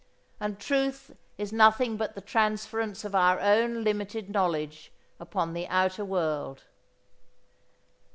And truth is nothing but the transference of our own limited knowledge upon the outer world.